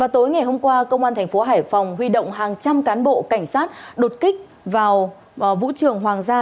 tối ngày hôm qua công an thành phố hải phòng huy động hàng trăm cán bộ cảnh sát đột kích vào vũ trường hoàng gia